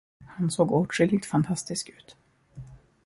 Han såg åtskilligt fantastisk ut.